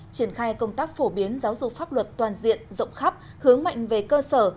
triển khai công tác phổ biến giáo dục pháp luật toàn diện rộng khắp hướng mạnh về cơ sở